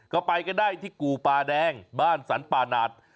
ก็ไปก็ได้ที่กู่ป่าแดงบ้านสรรป่าหนาด